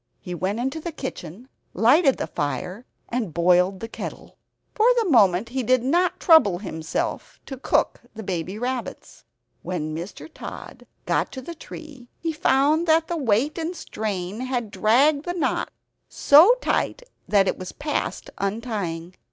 He went into the kitchen, lighted the fire and boiled the kettle; for the moment he did not trouble himself to cook the baby rabbits. When Mr. Tod got to the tree, he found that the weight and strain had dragged the knot so tight that it was past untying.